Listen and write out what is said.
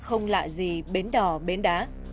không lạ gì bến đỏ bến đá